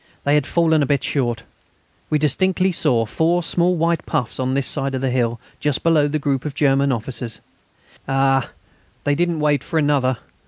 They had fallen a bit short. We distinctly saw four small white puffs on the side of the hill just below the group of German officers. Ah! They didn't wait for another!